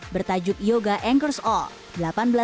bertajuk yoga anchors all